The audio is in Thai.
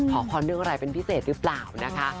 ขอพรเรื่องอะไรเป็นพิเศษหรือเปล่านะคะ